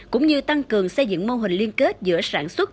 cũng như tăng cường xây dựng mô hình liên kết giữa sản xuất